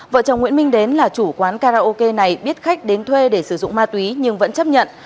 vợ chồng nguyễn minh đến là chủ quán karaoke này biết khách đến thuê để sử dụng ma túy nhưng vẫn chấp nhận